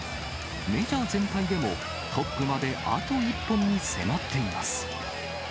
メジャー全体でもトップまであと１本に迫っています。